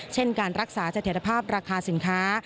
เช่นการรักษาเสถียรภาพราคาสินค้า